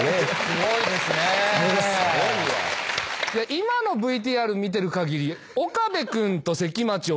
今のＶＴＲ見てるかぎり。